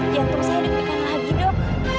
jantung saya dendamkan lagi dok